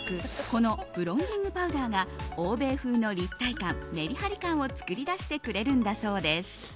このブロンジングパウダーが欧米風の立体感、メリハリ感を作り出してくれるんだそうです。